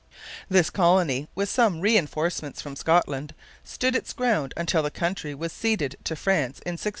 This colony, with some reinforcements from Scotland, stood its ground until the country was ceded to France in 1632.